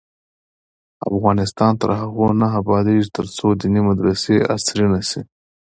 افغانستان تر هغو نه ابادیږي، ترڅو دیني مدرسې عصري نشي.